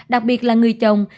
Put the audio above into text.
đặc biệt là người chồng